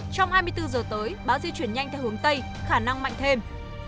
trong hai mươi bốn giờ tới bão di chuyển nhanh theo hướng tây khả năng mạnh thêm